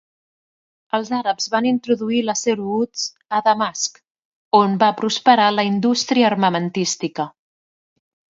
Els àrabs van introduir l'acer wootz a Damasc, on va prosperar la indústria armamentística.